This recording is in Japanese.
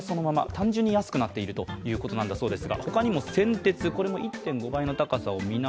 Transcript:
単純に安くなっているということだそうです。